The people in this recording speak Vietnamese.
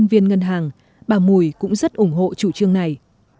nhân viên ngân hàng bà mùi cũng rất ủng hộ chủ trương này